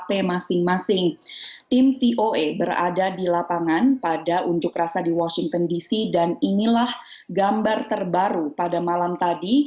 pembangunan tim voe berada di lapangan pada unjuk rasa di washington dc dan inilah gambar terbaru pada malam tadi